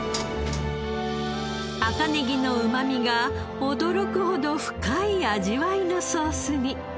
赤ネギのうまみが驚くほど深い味わいのソースに。